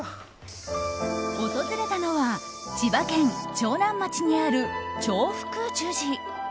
訪れたのは千葉県長南町にある長福寿寺。